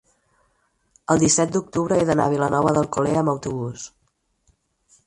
El disset d'octubre he d'anar a Vilanova d'Alcolea amb autobús.